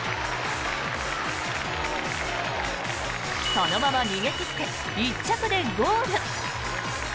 そのまま逃げ切って１着でゴール。